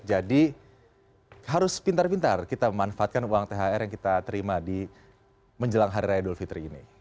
jadi harus pintar pintar kita memanfaatkan uang thr yang kita terima di menjelang hari raya dulfitri ini